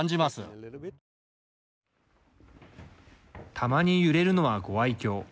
たまに揺れるのはご愛きょう。